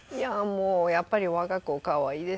やっぱり我が子は可愛いですよ。